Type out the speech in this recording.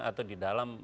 atau di dalam